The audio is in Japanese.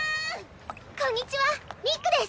こんにちはミックです！